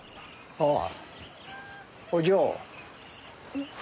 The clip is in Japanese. ああ。